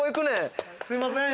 すいません